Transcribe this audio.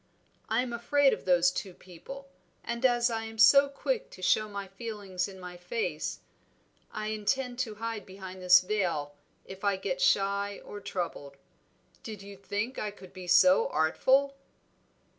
I am afraid of those two people; and as I am so quick to show my feelings in my face, I intend to hide behind this veil if I get shy or troubled. Did you think I could be so artful?"